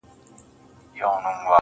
مړ مي مړوند دی.